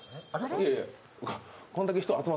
いやいや。